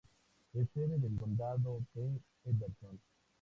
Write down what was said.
Es sede del condado de Henderson.